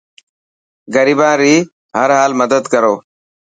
غريبان ري هر حال مدد ڪرو.